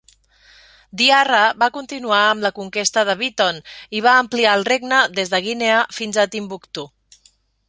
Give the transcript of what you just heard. Diarra va continuar amb la conquesta de Biton, i va ampliar el regne des de Guinea fins a Timbuctu.